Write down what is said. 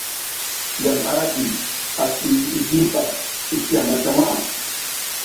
Yam ara gi, asi, hi vi hipas i si yama ta waʼa.